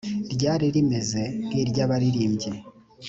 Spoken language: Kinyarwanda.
ryari rimeze nk iry abaririmbyi